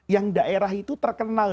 yang daerah itu terkenal